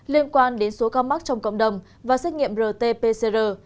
liên quan đến số ca mắc trong cộng đồng và xét nghiệm rt pcr